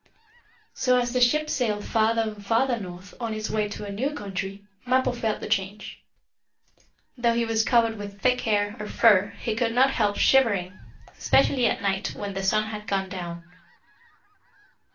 So, as the ship sailed farther and farther north, on its way to a new country, Mappo felt the change. Though he was covered with thick hair, or fur, he could not help shivering, especially at night when the sun had gone down.